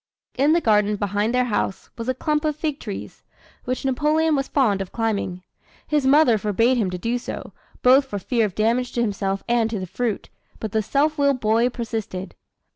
In the garden behind their house was a clump of fig trees, which Napoleon was fond of climbing. His mother forbade him to do so, both for fear of damage to himself and to the fruit, but the self willed boy persisted.